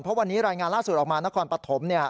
เพราะวันนี้รายงานล่าสุดออกมานครปฐม